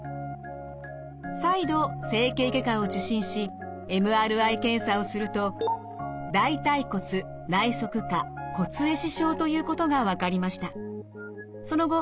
再度整形外科を受診しＭＲＩ検査をすると大腿骨内側顆骨壊死症ということが分かりました。